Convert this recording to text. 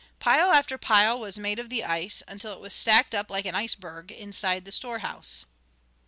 Pile after pile was made of the ice, until it was stacked up like an ice berg, inside the store house.